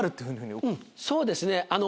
うんそうですね。